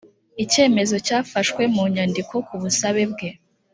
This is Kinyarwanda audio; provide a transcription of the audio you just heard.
icyemezo cyafashwe mu nyandiko ku busabe bwe